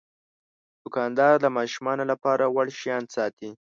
دوکاندار د ماشومانو لپاره وړ شیان ساتي.